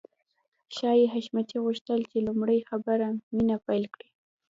ښايي حشمتي غوښتل چې لومړی خبرې مينه پيل کړي.